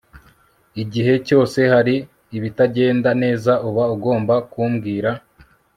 igihe cyose hari ibitagenda neza uba ugomba kumbwira